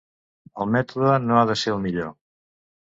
El mètode no ha de ser el millor.